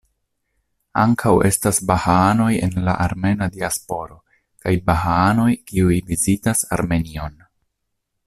Ankaŭ estas bahaanoj en la armena diasporo kaj bahaanoj kiuj vizitas Armenion.